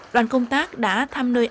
đoàn công tác đã thăm nơi